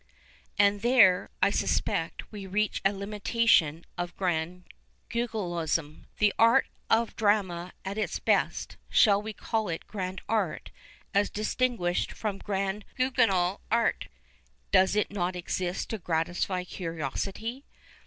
And there, I suspect, we reach a limitation of Grand Guignolism. The art of drama at its best — shall we call it grand art, as distinguished from Grand Guignol art ?— docs not exist to gratify curio sity.